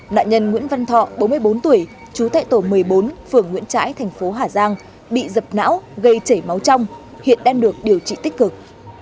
nạn nhân nguyễn văn thọ bốn mươi bốn tuổi chú tại tổ một mươi bốn phường nguyễn trãi thành phố hà giang bị dập não gây chảy máu trong hiện đang được điều trị tích cực